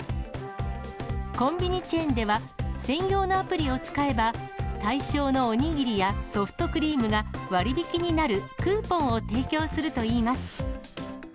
コンビニチェーンでは、専用のアプリを使えば、対象のお握りやソフトクリームが割引になるクーポンを提供するといいます。